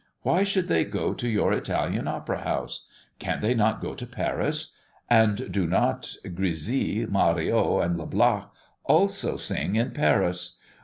Why should they go to your Italian Opera House? Can they not go to Paris; and do not Grisi, Mario, and Lablache also sing in Paris?